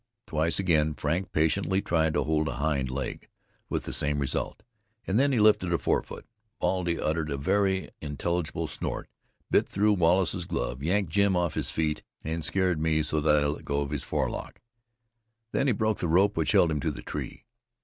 Twice again Frank patiently tried to hold a hind leg, with the same result; and then he lifted a forefoot. Baldy uttered a very intelligible snort, bit through Wallace's glove, yanked Jim off his feet, and scared me so that I let go his forelock. Then he broke the rope which held him to the tree.